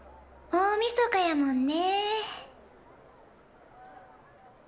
大みそかやもんねえ。